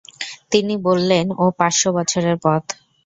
তিনি বললেন ও পাঁচশ বছরের পথ।